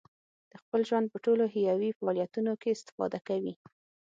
د خپل ژوند په ټولو حیوي فعالیتونو کې استفاده کوي.